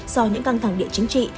do những căng thẳng địa chính trị